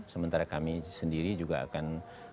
sementara kami sendiri juga akan